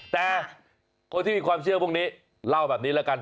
แต่คนที่มีความเชื่อพวกนี้เล่าแบบนี้แล้วกัน